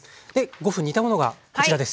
５分煮たものがこちらです。